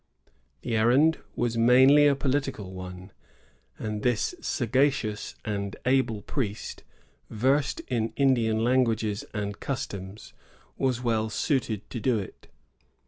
The errand was mainly a political one; and this sagacious and able priest, versed in Indian languages and customs, was well suited to do it.